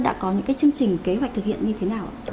đã có những cái chương trình kế hoạch thực hiện như thế nào ạ